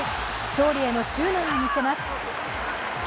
勝利への執念を見せます。